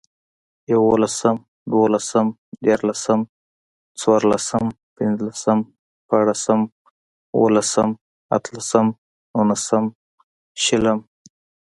ېولسم، دولسم، ديارلسم، څوارلسم، پنځلسم، شپاړسم، اوولسم، اتلسم، نولسم، شلم